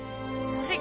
はい。